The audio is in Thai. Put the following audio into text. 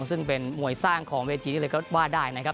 ซึ่งเป็นมวยสร้างของเวทีนี้เลยก็ว่าได้นะครับ